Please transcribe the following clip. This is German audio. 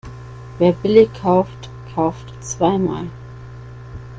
Wer billig kauft, kauft zweimal.